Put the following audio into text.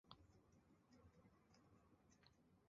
农委会已修法